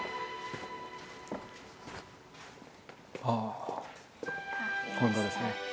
ああ本堂ですね。